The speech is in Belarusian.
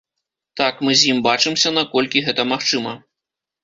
Так, мы з ім бачымся, наколькі гэта магчыма.